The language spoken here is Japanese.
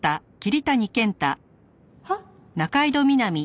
はっ？